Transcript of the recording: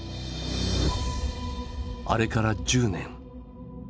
あれから１０年。